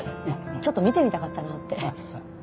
ちょっと見てみたかったなって。